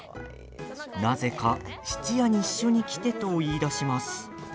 なぜか質屋に一緒に来てと言いだします。